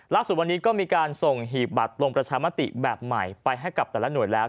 ล่าสุดวันนี้ก็มีการส่งหีบบัตรลงประชามติแบบใหม่ไปให้กับแต่ละหน่วยแล้ว